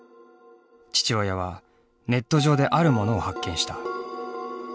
父親はネット上であるものを発見した。